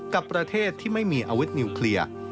กับประเทศที่ไม่มีอาวุธนิวเคลียร์